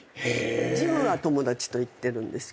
ジムは友達と行ってるんですけど。